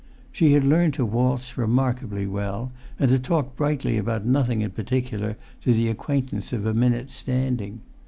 She had learnt to waltz remarkably well, and to talk brightly about nothing in particular to the acquaintance of a minute's standing.